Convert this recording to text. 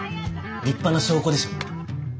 立派な証拠でしょ？